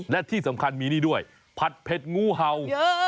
และที่สำคัญมีนี่ด้วยผัดเผ็ดงูเห่า